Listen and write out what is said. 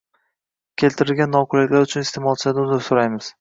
Keltirilgan noqulayliklar uchun isteʼmolchilardan uzr soʻraymiz.